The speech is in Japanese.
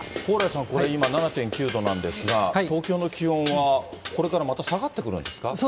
蓬莱さん、これ、今、７．９度なんですが、東京の気温はこれからまた下がってくるんですか？